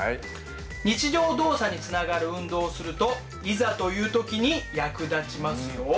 日常動作につながる運動をするといざという時に役立ちますよ。